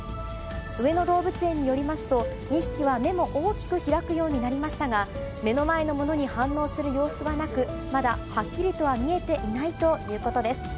上野動物園によりますと、２匹は目も大きく開くようになりましたが、目の前の物に反応する様子はなく、まだはっきりとは見えていないということです。